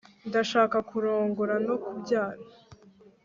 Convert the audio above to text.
ndashaka kurongora no kubyara